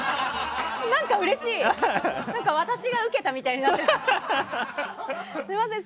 何か、うれしい私がウケたみたいで。